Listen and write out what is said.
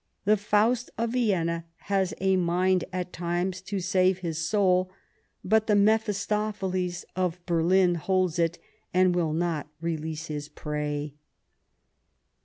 The Faust of Vienna has a mind at times to save his soul, but the Mephistopheles of Berlin holds it and will not release his prey.